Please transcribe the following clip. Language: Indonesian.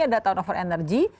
ada tahun over energy